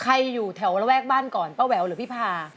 อยู่แถวระแวกบ้านก่อนป้าแหววหรือพี่พา